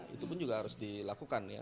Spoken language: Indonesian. itu pun juga harus dilakukan ya